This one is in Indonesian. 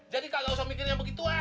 jadi nggak usah mikirin yang begitu ah